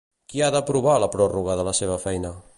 Qui ha d'aprovar la pròrroga de la seva feina?